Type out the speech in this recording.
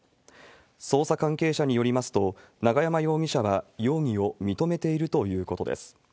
捜査関係者によりますと、永山容疑者は容疑を認めているということです。